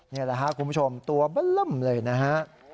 นี่แหละครับคุณผู้ชมตัวเบล่มเลยนะฮะ